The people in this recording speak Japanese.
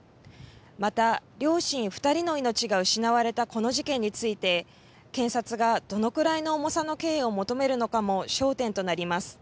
また両親２人の命が失われたこの事件について検察がどのくらいの重さの刑を求めるのかも焦点となります。